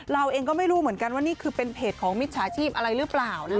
เราเองก็ไม่รู้เหมือนกันว่านี่คือเป็นเพจของมิจฉาชีพอะไรหรือเปล่านะคะ